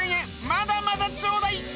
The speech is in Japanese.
まだまだちょうだい！